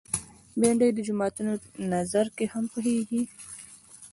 بېنډۍ د جوماتونو نذر کې هم پخېږي